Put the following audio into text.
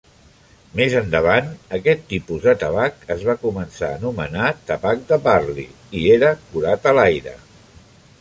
Més endavant, aquest tipus de tabac es va començar a anomenar tabac de Burley, i era curat a l'aire.